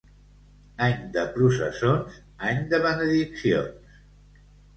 Any de processons, any de benediccions.